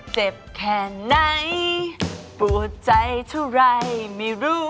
เจ็บแค่ไหนปวดใจเท่าไรไม่รู้